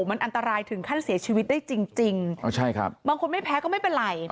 มันอันตรายถึงขั้นเสียชีวิตได้จริงบางคนไม่แพ้ก็ไม่เป็นไร